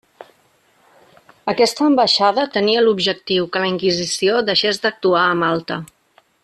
Aquesta ambaixada tenia l'objectiu que la inquisició deixés d'actuar a Malta.